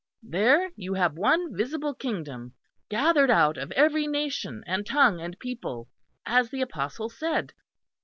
There you have one visible kingdom, gathered out of every nation and tongue and people, as the apostle said.